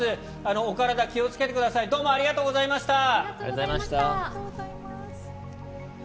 お体、気をつけてくださいどうもありがとうございました。